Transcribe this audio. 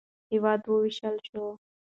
هېواد ووېشل شو.